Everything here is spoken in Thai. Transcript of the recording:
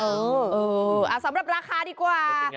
สำหรับราคาดีกว่า